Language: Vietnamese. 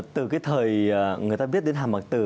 từ cái thời người ta biết đến hàm mạc tử